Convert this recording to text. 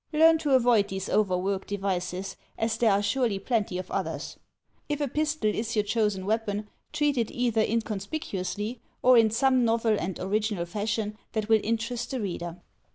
Learn to avoid these over worked devices, as there are surely plenty of others. If a pistol is your chosen weapon, treat it either in conspicuously, or in some novel and original fashion that will interest the reader.